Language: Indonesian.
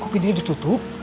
kok bintangnya ditutup